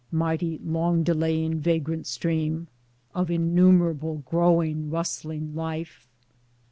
Mighty long delaying vagrant stream ! Of innumerable growing rustling life